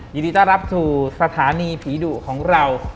ยินดีต้อนรับสู่สถานีผีดุของเรา